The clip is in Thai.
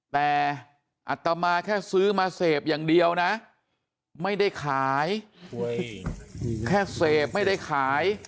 แต่อัตมาแค่ซื้อมาเสพอย่างเดียวนะไม่ได้ขายแค่เสพไม่ได้ขาย